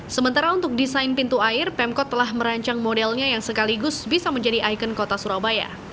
sementara untuk desain pintu air pemkot telah merancang modelnya yang sekaligus bisa menjadi ikon kota surabaya